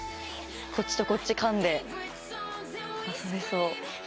こっちとこっち噛んで遊べそう。